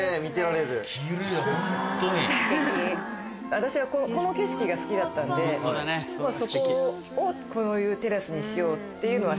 私はこの景色が好きだったんでそこをこういうテラスにしようっていうのは。